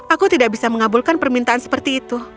aku tidak bisa mengabulkan permintaan seperti itu